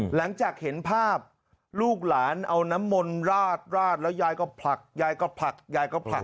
หลังจากเห็นภาพลูกหลานเอาน้ำมนต์ราดแล้วยายก็ผลักยายก็ผลักยายก็ผลัก